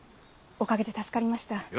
おかげで助かりました。